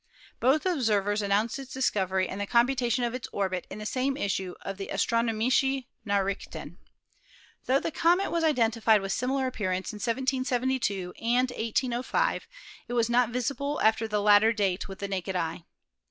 Both observers announced its discovery and the computation of its orbit in the same issue of the Astronomische Nachrichten. Tho the comet was iden tified with similar appearances in 1772 and 1805, it was not visible after the latter date with the naked eye.